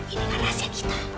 ini kan rahasia kita